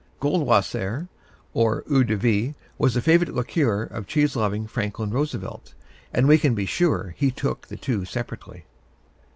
Goldwasser, or Eau de Vie, was a favorite liqueur of cheese loving Franklin Roosevelt, and we can be sure he took the two separately.